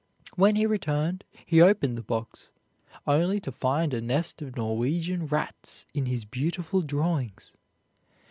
When he returned he opened the box only to find a nest of Norwegian rats in his beautiful drawings.